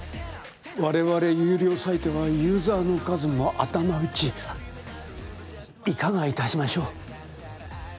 我々有料サイトはユーザーの数も頭打ちいかがいたしましょう？